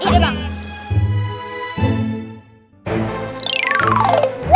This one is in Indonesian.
tunggu tunggu tunggu